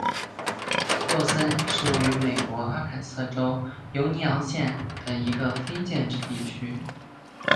洛森是位于美国阿肯色州犹尼昂县的一个非建制地区。